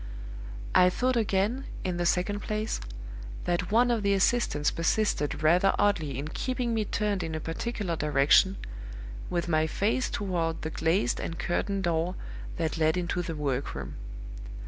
I thought again, in the second place, that one of the assistants persisted rather oddly in keeping me turned in a particular direction, with my face toward the glazed and curtained door that led into the work room.